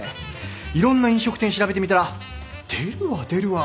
いろんな飲食店調べてみたら出るわ出るわ